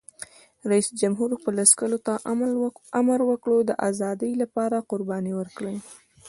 رئیس جمهور خپلو عسکرو ته امر وکړ؛ د ازادۍ لپاره قرباني ورکړئ!